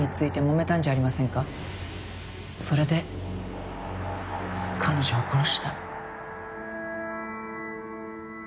それで彼女を殺した。